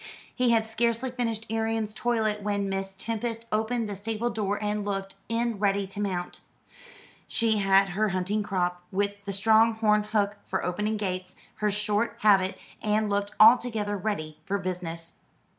He had scarcely finished Arion's toilet when Miss Tempest opened the stable door and looked in, ready to mount. She had her hunting crop, with the strong horn hook for opening gates, her short habit, and looked altogether ready for business.